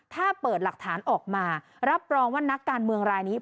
ถ้าเปิดหลักฐานออกมารับรองว่านักการเมืองรายนี้